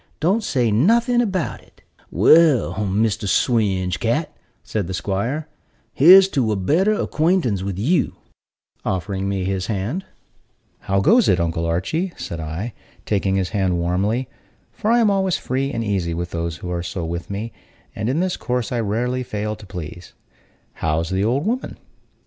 Don't say nothing about it." "Well, Mr. Swinge cat," said the 'squire, "here's to a better acquaintance with you," offering me his hand. "How goes it, Uncle Archy?" said I, taking his hand warmly (for I am always free and easy with those who are so with me; and in this course I rarely fail to please). "How's the old woman?"